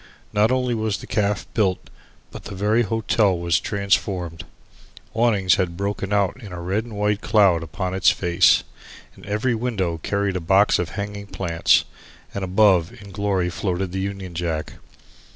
Not only was the caff built but the very hotel was transformed. Awnings had broken out in a red and white cloud upon its face, its every window carried a box of hanging plants, and above in glory floated the Union Jack.